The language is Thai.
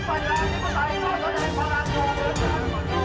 แล้วคุณผู้คนสนับสนุนไปไหน